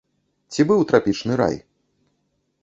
Ці быў трапічны рай?